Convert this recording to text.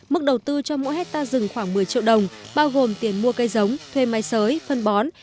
mức đầu tư cho mỗi hectare rừng khoảng một mươi triệu đồng bao gồm tiền mua cây giống thuê máy sới phân bón